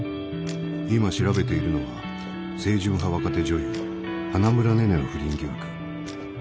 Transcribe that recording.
今調べているのは清純派若手女優花村寧々の不倫疑惑。